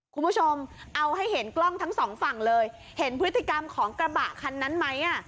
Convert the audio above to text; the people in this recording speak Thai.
คุณผู้ชมเอาให้เห็นกล้องทั้งสองฝั่งเลยเห็นพฤติกรรมของกระบะคันนั้นไหมอ่ะ